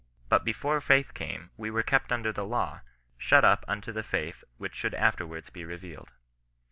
" But before faith came we were kept under the law, shut up unto the faith which should afterwards be revealed.